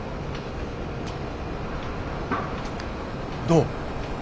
どう？